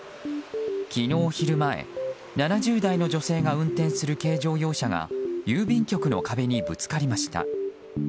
昨日昼前、７０代の女性が運転する軽乗用車が郵便局の壁にぶつかりました。